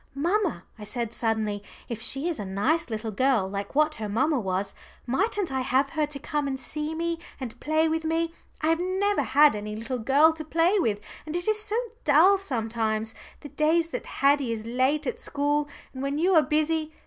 "Mamma," I said suddenly, "if she is a nice little girl like what her mamma was, mightn't I have her to come and see me and play with me? I have never had any little girl to play with, and it is so dull sometimes the days that Haddie is late at school and when you are busy.